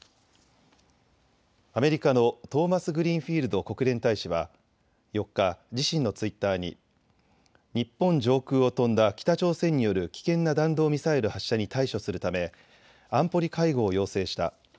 アメリカのトーマスグリーンフィールド国連大使は４日、自身のツイッターに日本上空を飛んだ北朝鮮による危険な弾道ミサイル発射に対処するため安保理会合を要請した。